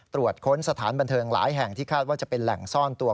ตรวจค้นสถานบันเทิงหลายแห่งที่คาดว่าจะเป็นแหล่งซ่อนตัว